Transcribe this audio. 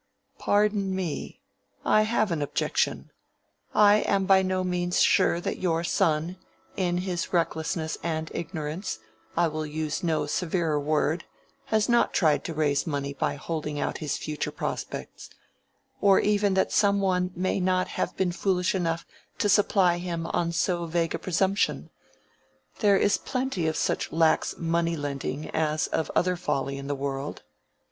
"Pardon me. I have an objection. I am by no means sure that your son, in his recklessness and ignorance—I will use no severer word—has not tried to raise money by holding out his future prospects, or even that some one may not have been foolish enough to supply him on so vague a presumption: there is plenty of such lax money lending as of other folly in the world."